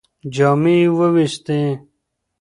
جامې یې ووېستې.